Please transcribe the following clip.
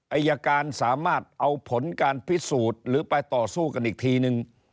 อายการสามารถเอาผลการพิสูจน์หรือไปต่อสู้กันอีกทีนึง